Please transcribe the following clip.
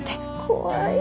怖い。